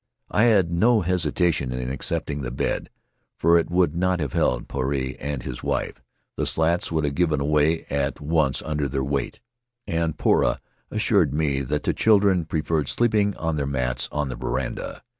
I had no hesitation in accepting the bed, for it would not have held Puarei and his wife. The slats would have given away at once under their weight, and Poura assured me that the children pre ferred sleeping on their mats on the veranda.